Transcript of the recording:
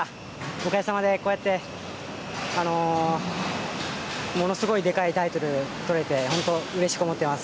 おかげさまでこうやってものすごいでかいタイトルを取れてホント、うれしく思ってます。